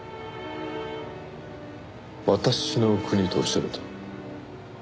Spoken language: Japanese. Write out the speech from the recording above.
「私の国」とおっしゃると？